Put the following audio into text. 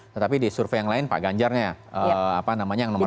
tetapi di survei yang lain pak ganjarnya yang nomor satu